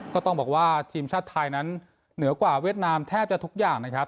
ก็ต้องบอกว่าทีมชาติไทยนั้นเหนือกว่าเวียดนามแทบจะทุกอย่างนะครับ